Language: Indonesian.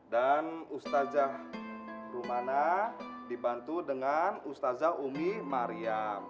dan ustazah rumana dibantu dengan ustazah umi mariam